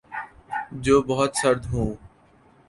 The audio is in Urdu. جو بہت سرد ہوں